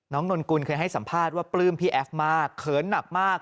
นนกุลเคยให้สัมภาษณ์ว่าปลื้มพี่แอฟมากเขินหนักมาก